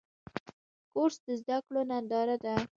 کورس د زده کړو ننداره ده.